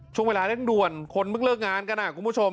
ช่วงเวลาเร่งด่วนคนเพิ่งเลิกงานกันคุณผู้ชม